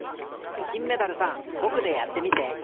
きんメダルさんぼくでやってみて。